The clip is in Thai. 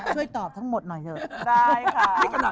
ช่วยตอบทั้งหมดหน่อยเถอะ